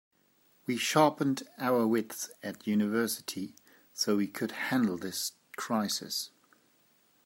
We sharpened our wits at university so we could handle this crisis.